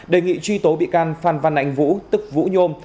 đề nghị truy tố bị can phan văn anh vũ tức vũ nhôm